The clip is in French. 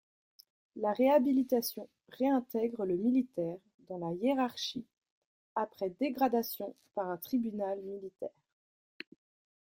La réhabilitation réintègre le militaire dans la hiérarchie après dégradation par un tribunal militaire.